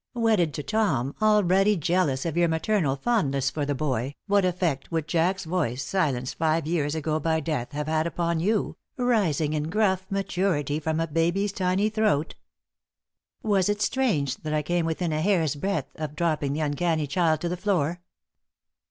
Wedded to Tom, already jealous of your maternal fondness for the boy, what effect would Jack's voice, silenced five years ago by death, have had upon you, rising in gruff maturity from a baby's tiny throat? Was it strange that I came within a hair's breadth of dropping the uncanny child to the floor?